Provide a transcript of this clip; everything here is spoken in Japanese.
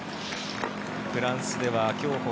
フランスでは競歩